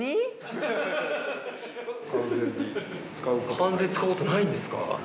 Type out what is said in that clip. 完全に使うことないんですか。